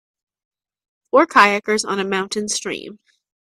Four kayakers on a moutain stream.